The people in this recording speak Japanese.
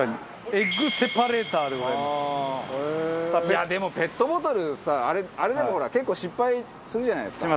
いやでもペットボトルさあれでも結構失敗するじゃないですか。